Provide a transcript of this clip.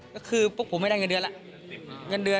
ก็คือพวกผมไม่ได้เงินเดือนแล้ว